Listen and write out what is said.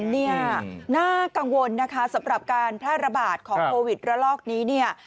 เนี่ยน่ากังวลนะคะสำหรับการแพร่ระบาดของโควิดระลอกนี้เนี่ย